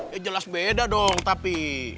ya jelas beda dong tapi